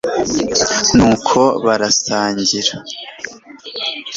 nuko barasangira